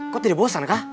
kok tidak bosan kak